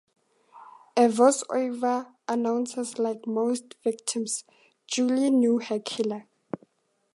A voiceover announces Like most victims, Julie knew her killer.